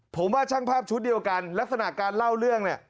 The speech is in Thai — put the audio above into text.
ผมว่าช่างภาพชุดเดียวกันลักษณะการเล่าเรื่องเนี่ย